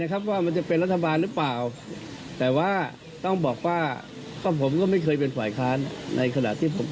ก็ถนัดเป็นรัฐบาลมากกว่าค่ะพี่หุย